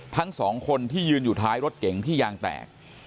ทั้งสองคนที่ยืนอยู่ท้ายรถเก๋งที่ยางแตก